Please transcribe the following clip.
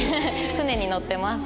船に乗ってます。